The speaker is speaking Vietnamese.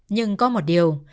nhưng có một điều